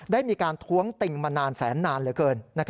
ได้มีการท้วงติงมานานแสนนานเหลือเกิน